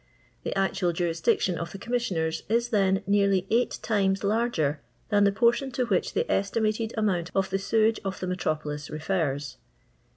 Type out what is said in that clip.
The actual jurisdiction of the Commissioners is, then, nearly ei^ht times larger than the portion to which the estmiated amount of the sewage of the metropolis refers.